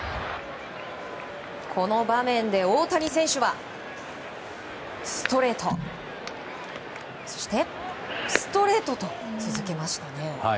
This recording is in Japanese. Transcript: この場面で大谷選手はストレート、そしてストレートと、続けましたね。